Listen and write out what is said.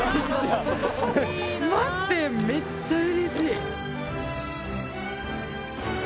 待ってめっちゃ嬉しい。